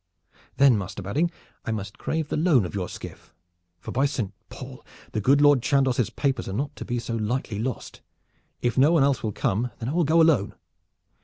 "Then, Master Badding, I must crave the loan of your skiff, for by Saint Paul! the good Lord Chandos' papers are not to be so lightly lost. If no one else will come, then I will go alone."